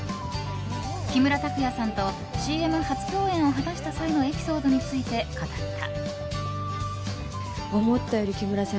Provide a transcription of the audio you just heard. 木村拓哉さんとＣＭ初共演を果たした際のエピソードについて語った。